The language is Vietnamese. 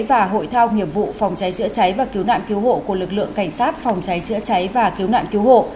và hội thao nghiệp vụ phòng cháy chữa cháy và cứu nạn cứu hộ của lực lượng cảnh sát phòng cháy chữa cháy và cứu nạn cứu hộ